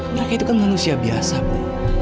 mereka itu kan manusia biasa bu